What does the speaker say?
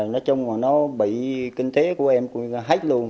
nói chung là nó bị kinh tế của em hết luôn